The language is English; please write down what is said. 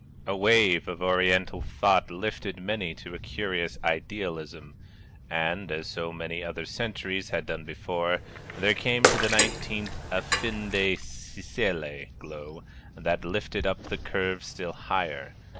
A wave of Oriental thought lifted many to a curious idealism and, as so many other centuries had done before, there came to the nineteenth a fin de siècle glow that lifted up the curve still higher.